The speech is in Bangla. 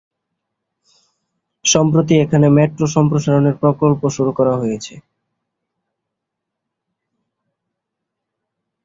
সম্প্রতি এখানে মেট্রো সম্প্রসারণের প্রকল্প শুরু করা হয়েছে।